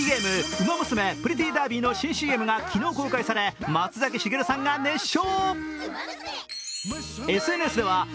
「ウマ娘プリティーダービー」の新ＣＭが昨日、公開され松崎しげるさんが熱唱。